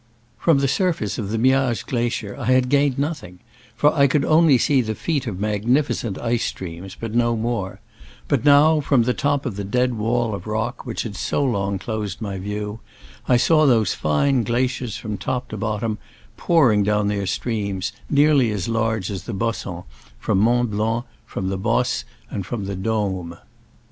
From the surface of the Miage glacier I had gained nothing, for I could only see the feet of magnificent ice streams, but no more ; but now, from the top of the dead wall of rock which had so long closed my view, I saw those fine glaciers from top to bottom, pouring down their streams, nearly as large as the Bossons, from Motit Blanc, from the Bosse and from the D6me.